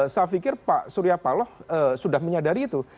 saya pikir pak surya paloh sudah menyadari itu